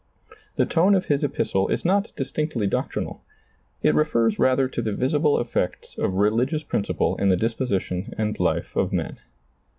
The tone of his epistle is not distinctly doctrinal ; it refers rather to the visible effects of religious principle in the dis position and life of men.